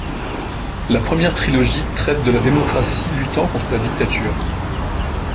La première trilogie traite de la démocratie luttant contre la dictature.